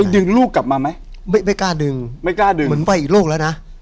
ดึงลูกกลับมาไหมไม่ไม่กล้าดึงไม่กล้าดึงเหมือนไปอีกโลกแล้วนะ